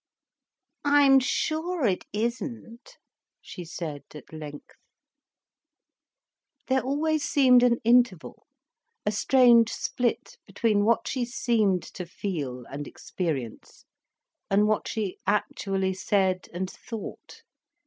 "I'm sure it isn't," she said at length. There always seemed an interval, a strange split between what she seemed to feel and experience, and what she actually said and thought.